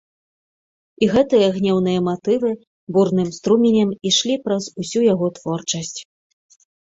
І гэтыя гнеўныя матывы бурным струменем ішлі праз усю яго творчасць.